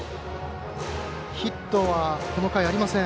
ヒットはこの回ありません。